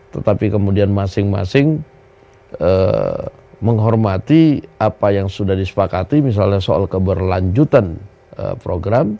tetapi kemudian masing masing menghormati apa yang sudah disepakati misalnya soal keberlanjutan program